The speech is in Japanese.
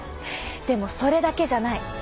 でもそれだけじゃない。